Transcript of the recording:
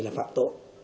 là phạm tội